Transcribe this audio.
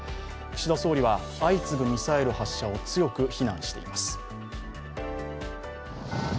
岸田総理は相次ぐミサイル発射を強く非難しています。